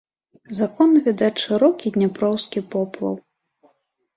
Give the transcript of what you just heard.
З акон відаць шырокі дняпроўскі поплаў.